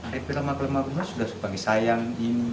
lepir lama kelama sudah panggil sayang